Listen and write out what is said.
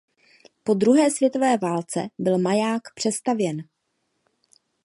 Po druhé světové válce byl maják přestavěn.